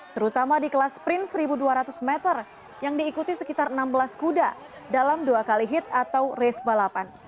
terutama di kelas sprint satu dua ratus meter yang diikuti sekitar enam belas kuda dalam dua kali hit atau race balapan